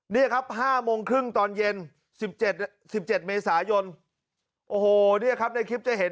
นี่ครับ๕โมงครึ่งตอนเย็น๑๗๑๗เมษายนโอ้โหเนี่ยครับในคลิปจะเห็น